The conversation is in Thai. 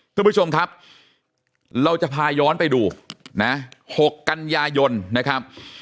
คุณผู้ชมครับเราจะพาย้อนไปดูนะ๖กันยายนนะครับ